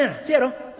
そうやろ？